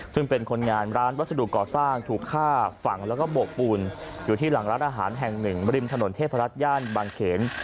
ซึ่งเป็นคนงานร้านวัสดุก่อสร้างถูกฆ่าฝังแล้วก็โบกปูนอยู่ที่หลังร้านอาหารแห่งหนึ่งริมถนนเทพรัฐย่านบางเขน